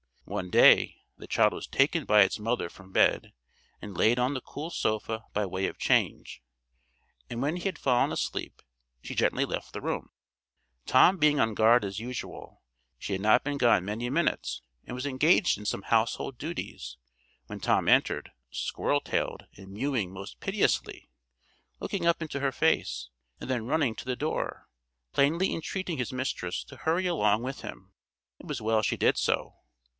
One day, the child was taken by its mother from bed, and laid on the cool sofa by way of change; and when he had fallen asleep she gently left the room, Tom being on guard as usual. She had not been gone many minutes, and was engaged in some household duties, when Tom entered, squirrel tailed and mewing most piteously, looking up into her face, and then running to the door, plainly entreating his mistress to hurry along with him. It was well she did so.